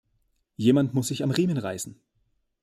Jemand muss sich am Riemen reißen!